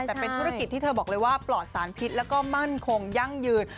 แต่เป็นธุรกิจที่เธอบอกเลยว่าปลอดสารพิษแล้วก็มั่นคงยั่งยืน